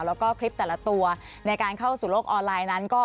แล้วก็คลิปแต่ละตัวในการเข้าสู่โลกออนไลน์นั้น